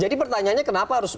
jadi pertanyaannya kenapa harus